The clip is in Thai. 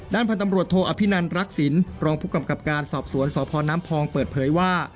พันธ์ตำรวจโทอภินันรักษิณรองผู้กำกับการสอบสวนสพน้ำพองเปิดเผยว่า